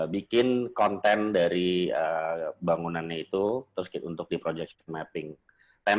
bikin konten dari bangunannya itu terus kita untuk diprojektifikasi mapping terus kita membuat konten